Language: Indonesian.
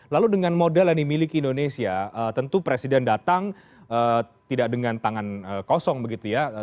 lalu dengan modal yang dimiliki indonesia tentu presiden datang tidak dengan tangan kosong begitu ya